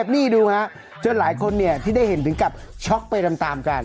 นี่ดูฮะจนหลายคนที่ได้เห็นถึงกับช็อกไปตามกัน